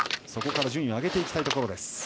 そこから順位を上げていきたいところです。